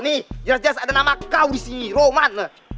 nih jelas jelas ada nama kau di sini rahman